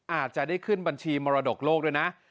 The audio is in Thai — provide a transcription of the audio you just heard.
อาจจะได้ขึ้นบัญชีมรดกโลกด้วยนะ